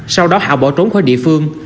sau đó hảo bỏ trốn khỏi địa phương